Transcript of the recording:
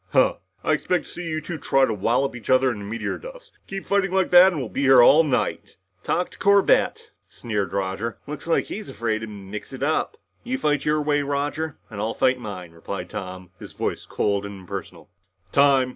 "Huh. I expected to see you two try to wallop each other into meteor dust! Keep fighting like that and we'll be here all night!" "Talk to Corbett," sneered Roger. "Looks like he's afraid to mix it up!" "You fight your way, Roger, and I'll fight mine," replied Tom, his voice cold and impersonal. "Time!"